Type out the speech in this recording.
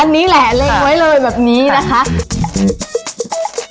อ๊ันนี่แหละยังไว้เลยแบบนี้นะคะค่ะ